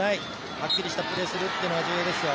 はっきりしたプレーするというのが重要ですよ。